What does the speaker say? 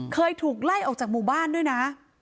เคยถูกไล่ออกจากหมู่บ้านด้วยนะ